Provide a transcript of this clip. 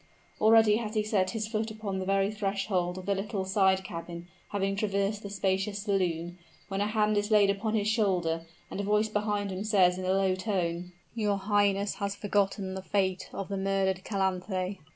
Already has he set his foot upon the very threshold of the little side cabin, having traversed the spacious saloon, when a hand is laid upon his shoulder, and a voice behind him says in a low tone, "Your highness has forgotten the fate of the murdered Calanthe."